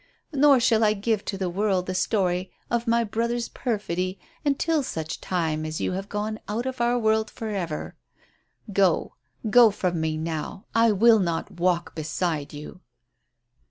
Nor shall I give to the world the story of my brother's perfidy until such time as you have gone out of our world for ever. Go, go from me now; I will not walk beside you."